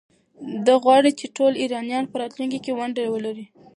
ده غواړي ټول ایرانیان په راتلونکي کې ونډه ولري.